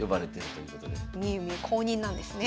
う公認なんですね。